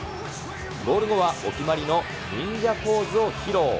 ゴール後はお決まりの忍者ポーズを披露。